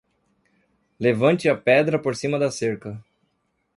Levante a pedra por cima da cerca.